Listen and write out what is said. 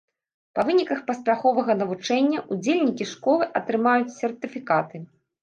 Па выніках паспяховага навучання, удзельнікі школы атрымаюць сертыфікаты.